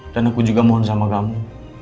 dan aku juga mohon sama kamu